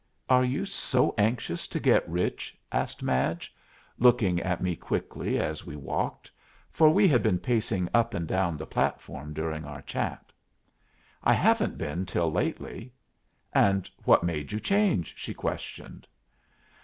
"Are you so anxious to get rich?" asked Madge, looking up at me quickly, as we walked, for we had been pacing up and down the platform during our chat. "I haven't been till lately." "And what made you change?" she questioned.